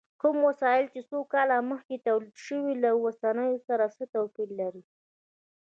کوم وسایل چې څو کاله مخکې تولید شوي، له اوسنیو سره څه توپیر لري؟